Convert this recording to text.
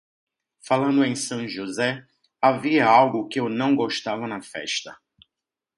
E falando em Sant Josep, havia algo de que eu não gostava na festa.